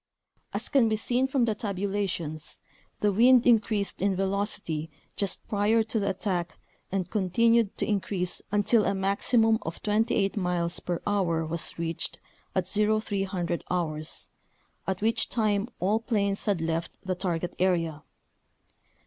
As can be seen from the tabulations, the wind increased in velocity just prior to the attack and continued to in crease until a maximum of 28 miles per hour was reached at 0300 hours, at which time all planes had left the target area.